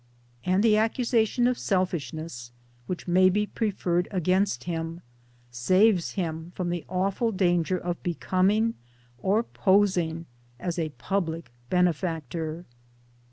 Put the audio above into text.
And the accusation of selfishness, which may be preferred against him, saves him from the awful danger of becoming, or posing as, a public benefactor.